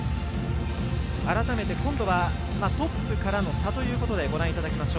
改めて今度はトップからの差ということでご覧いただきます。